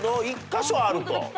１カ所あると。